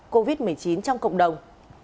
covid một mươi chín trong cộng đồng